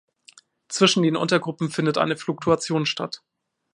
Zwischen den Untergruppen findet eine Fluktuation statt.